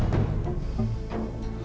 bapak gak mau ngelakuin